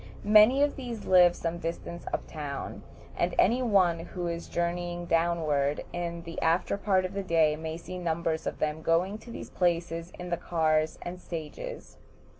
Many of these live some distance up town, and any one who is journeying downward in the after part of the day may see numbers of them going to these places in the cars and stages.